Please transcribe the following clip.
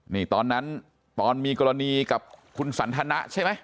นี่ตอนนั้นตอนมีกรณีกับคุณสันทนะใช่ไหม